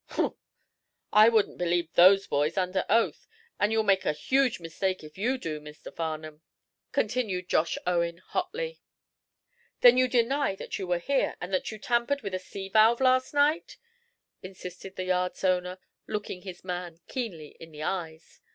"Humph! I wouldn't believe those boys under oath, and you'll make a huge mistake if you do, Mr. Farnum," continued Josh Owen, hotly. "Then you deny that you were here, and that you tampered with a sea valve last night?" insisted the yard's owner, looking his man keenly in the eyes.